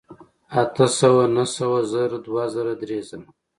اتۀ سوه نهه سوه زر دوه زره درې زره